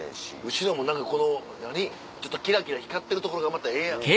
後ろもキラキラ光ってるところがまたええやん。